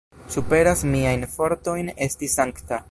Superas miajn fortojn esti sankta.